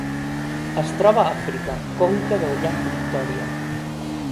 Es troba a Àfrica: conca del llac Victòria.